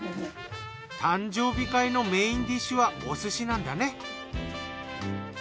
誕生日会のメーンディッシュはお寿司なんだね。